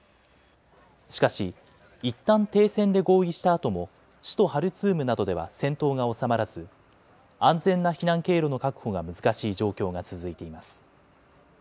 しかし、いったん停戦で合意したあとも首都ハルツームなどでは戦闘が収まらず安全な避難経路の確保が難しい状況が続いています。